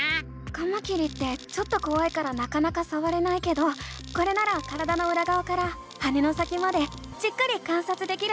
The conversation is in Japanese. カマキリってちょっとこわいからなかなかさわれないけどこれなら体のうらがわから羽の先までじっくり観察できるね！